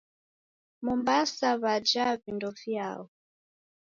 Mombasa w'ajaa vindo viao?